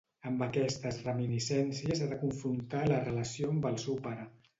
Amb aquestes reminiscències ha de confrontar la relació amb el seu pare.